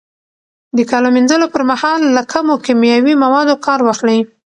د کالو مینځلو پر مهال له کمو کیمیاوي موادو کار واخلئ.